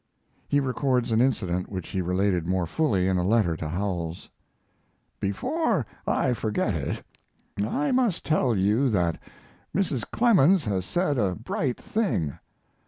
He records an incident which he related more fully in a letter to Howells: Before I forget it I must tell you that Mrs. Clemens has said a bright thing.